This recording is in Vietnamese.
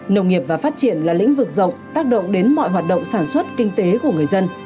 nông nghiệp và phát triển là lĩnh vực rộng tác động đến mọi hoạt động sản xuất kinh tế của người dân